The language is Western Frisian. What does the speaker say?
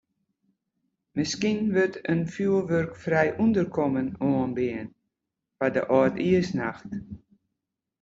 Minsken wurdt in fjoerwurkfrij ûnderkommen oanbean foar de âldjiersnacht.